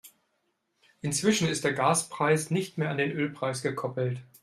Inzwischen ist der Gaspreis nicht mehr an den Ölpreis gekoppelt.